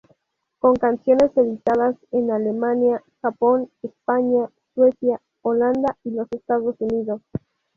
Con canciones editadas en Alemania, Japón, España, Suecia, Holanda y los Estados Unidos.